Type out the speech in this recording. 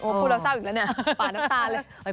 โอ้พูดเราซากอีกแล้วเนี่ยป่านน้ำตาลเลย